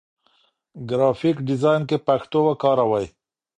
ګرافيک ډيزاين کې پښتو وکاروئ.